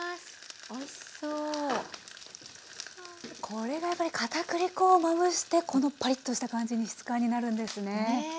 これがやっぱりかたくり粉をまぶしてこのパリッとした感じに質感になるんですね。